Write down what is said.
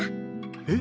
えっ？